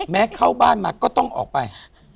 เข้าบ้านมาก็ต้องออกไป